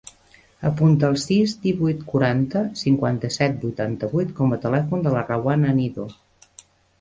Apunta el sis, divuit, quaranta, cinquanta-set, vuitanta-vuit com a telèfon de la Rawan Anido.